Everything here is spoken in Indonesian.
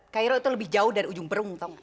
cairo itu lebih jauh dari ujung perung